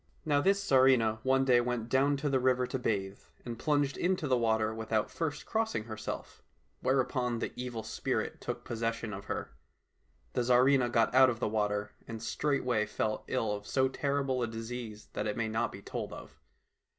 Now this Tsarivna one day went down to the river to bathe, and plunged into the water without first crossing herself, whereupon the Evil Spirit took posses sion of her. The Tsarivna got out of the water, and straightway fell ill of so terrible a disease that it may not be told of.